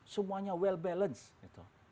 semuanya well balance